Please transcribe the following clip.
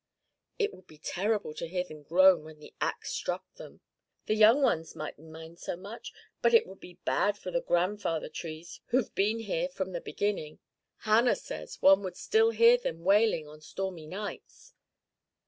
'It would be terrible to hear them groan when the axe struck them. The young ones mightn't mind so much; but it would be bad for the grandfather trees who've been here from the beginning. Hannah says one would still hear them wailing on stormy nights.'